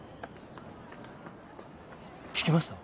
聞きました？